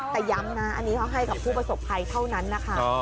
แต่ย้ำนะอันนี้เขาให้กับผู้ประสบภัยเท่านั้นนะคะ